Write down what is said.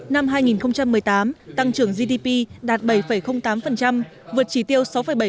năm hai nghìn một mươi tám tăng trưởng gdp đạt bảy tám vượt chỉ tiêu sáu bảy